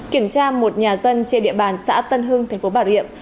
kiểm tra một nhà dân trên địa bàn xã tân hưng thành phố bảo điệm